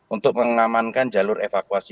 untuk mengamankan jalur evakuasi